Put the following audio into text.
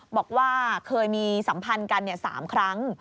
บอกว่าเคยมีสัมพันธ์กัน๓ครั้ง